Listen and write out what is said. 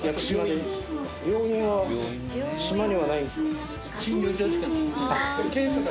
病院は島にはないんですか？